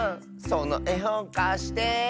そのえほんかして。